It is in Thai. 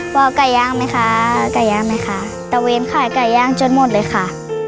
ว่าไก่ย่างไหมคะไก่ย่างไหมคะตะเวนขายไก่ย่างจนหมดเลยค่ะ